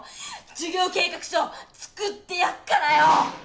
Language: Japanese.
事業計画書作ってやっからよ！